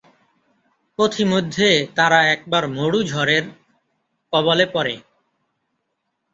পথিমধ্যে তারা একবার মরু ঝড়ের কবলে পরে।